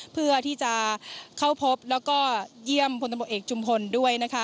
เพื่อที่จะเข้าพบแล้วก็เยี่ยมพลตำรวจเอกจุมพลด้วยนะคะ